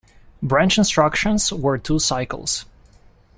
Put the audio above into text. Branch instructions were two cycles.